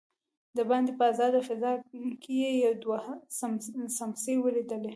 دباندې په آزاده فضا کې يې دوه سمڅې وليدلې.